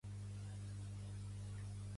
Vull canviar fula a català.